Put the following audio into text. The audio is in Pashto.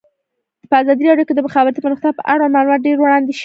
په ازادي راډیو کې د د مخابراتو پرمختګ اړوند معلومات ډېر وړاندې شوي.